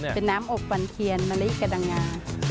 เป็นน้ำอบฟันเทียนมะลิกระดังงา